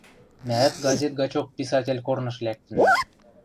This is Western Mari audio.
Мӓӓт газет гачок писатель корныш лӓктӹннӓ.